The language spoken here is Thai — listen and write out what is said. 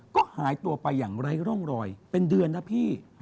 ก็หายตัวไปอย่างไร้ร่องรอยเป็นเดือนนะพี่